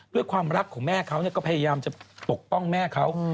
ด้วยความรักของแม่เขาก็พยายามจะปกป้องแม่เขา